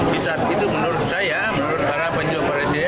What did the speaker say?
di saat itu menurut saya para penjual pariwisata